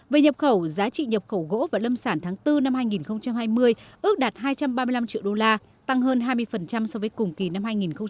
về nhập khẩu giá trị nhập khẩu gỗ và lâm sản tháng bốn năm hai nghìn hai mươi ước đạt hai trăm ba mươi năm triệu đô la tăng hơn hai mươi so với cùng kỳ năm hai nghìn một mươi chín